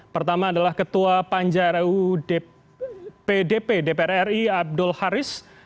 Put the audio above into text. pertama adalah ketua panjarau pdp dpr ri abdul haris